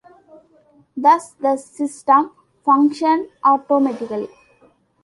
Thus the system functioned automatically.